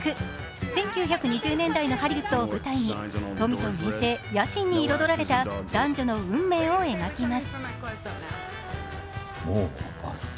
１９２０年代のハリウッドを舞台に富と名声、野心に彩られた男女の運命を描きます。